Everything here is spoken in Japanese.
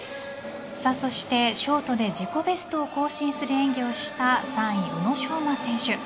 そしてショートで自己ベストを更新する演技をした３位、宇野昌磨選手。